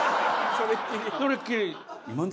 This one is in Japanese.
それっきり。